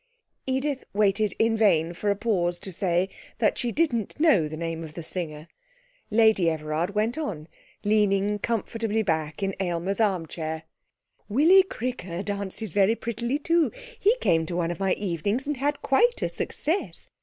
Edith waited in vain for a pause to say she didn't know the name of the singer. Lady Everard went on, leaning comfortably back in Aylmer's arm chair. 'Willie Cricker dances very prettily, too; he came to one of my evenings and had quite a success.